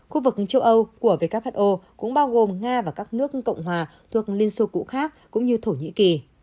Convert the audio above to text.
khu vực châu âu của who cũng bao gồm nga và các nước cộng hòa thuộc liên xô cũ khác cũng như thổ nhĩ kỳ